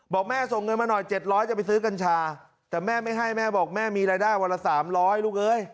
บอกแม่ส่งเงินมาหน่อย๗๐๐จะไปซื้อกัญชาแต่แม่ไม่ให้แม่บอกแม่มีรายได้วันละ๓๐๐ลูกเอ้ย